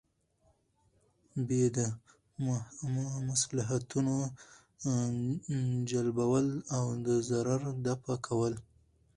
ب : د مصلحتونو جلبول او د ضرر دفعه کول